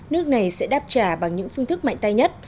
nước này sẽ đáp trả bằng những phương thức mạnh tay nhất